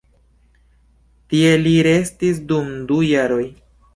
Tie li restis dum du jaroj.